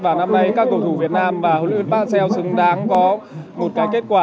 và năm nay các cầu thủ việt nam và hồ lưu yên bạc xeo xứng đáng có một cái kết quả